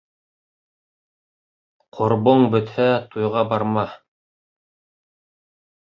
Ҡорбоң бөтһә, туйға барма.